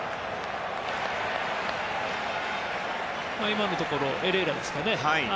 今のところ、エレーラですかね。